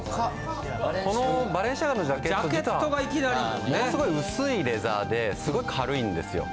このバレンシアガのジャケット実はものすごい薄いレザーですごい軽いんですよ。